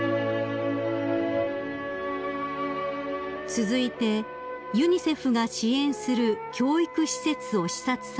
［続いてユニセフが支援する教育施設を視察されました］